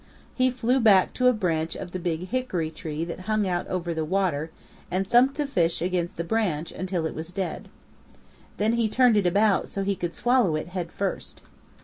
He flew back to a branch of the Big Hickory tree that hung out over the water and thumped the fish against the branch until it was dead. Then he turned it about so he could swallow it head first.